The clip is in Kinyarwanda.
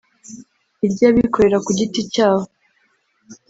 iry’abikorera ku giti cyabo